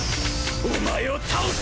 お前を倒す！